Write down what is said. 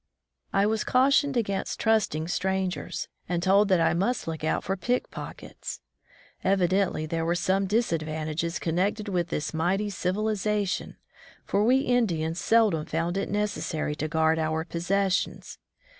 I was cautioned against trusting strangers, and told that I must look out for pickpockets. Evidently there were some disadvantages connected with this mighty civilization, for we Indians seldom found it necessary to guard our possessions.